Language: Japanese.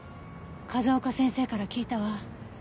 風丘先生から聞いたわ。